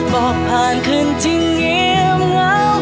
บอกผ่านคืนจึงเงียบเหงา